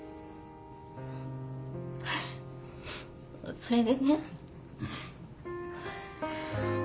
それでね。